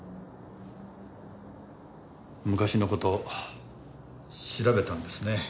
昔の事調べたんですね。